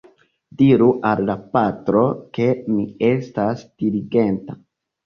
Diru al la patro, ke mi estas diligenta.